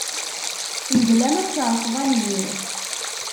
Mebla ma tkerseḍ anyir